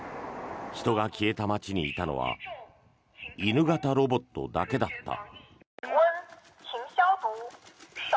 人が消えた街にいたのは犬型ロボットだけだった。